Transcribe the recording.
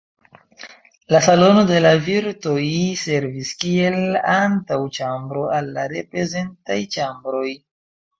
La Salono de la virtoj servis kiel antaŭĉambro al la reprezentaj ĉambroj.